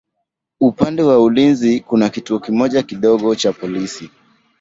Upande wa ulinzi kuna kituo kimoja kidogo cha polisi.